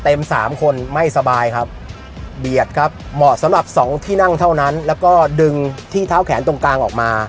สามคนไม่สบายครับเบียดครับเหมาะสำหรับสองที่นั่งเท่านั้นแล้วก็ดึงที่เท้าแขนตรงกลางออกมา